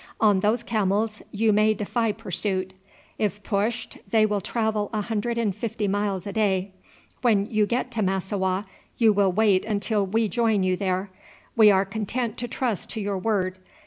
On those camels you may defy pursuit. If pushed they will travel a hundred and fifty miles a day. When you get to Massowah you will wait until we join you there. We are content to trust to your word.